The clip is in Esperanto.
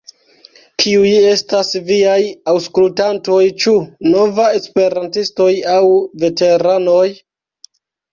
Kiuj estas viaj aŭkultantoj, ĉu novaj esperantistoj aŭ veteranoj?